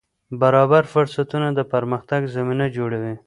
برابر فرصتونه د پرمختګ زمینه جوړوي.